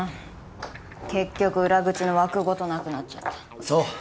結局裏口の枠ごとなくなっちゃったそう